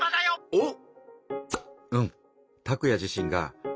おっ！